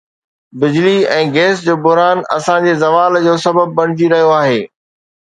بجلي ۽ گئس جو بحران اسان جي زوال جو سبب بڻجي رهيو آهي